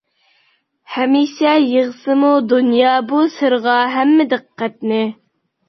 ھەمىشە يىغسىمۇ دۇنيا بۇ سىرغا ھەممە دىققەتنى.